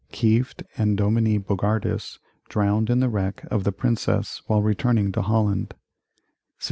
Kieft and Dominie Bogardus drowned in the wreck of the Princess while returning to Holland 1652.